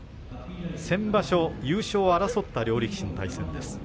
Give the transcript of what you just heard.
先場所、優勝を争った両力士の対戦です。